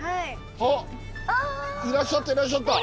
あっいらっしゃったいらっしゃった。